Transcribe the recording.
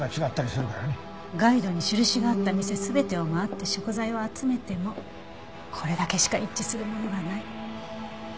ガイドに印があった店全てを回って食材を集めてもこれだけしか一致するものがない。